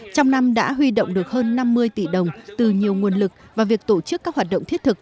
trong năm đã huy động được hơn năm mươi tỷ đồng từ nhiều nguồn lực và việc tổ chức các hoạt động thiết thực